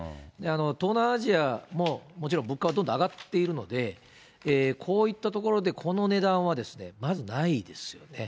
東南アジアも、もちろん物価はどんどん上がっているので、こういった所でこの値段はまずないですよね。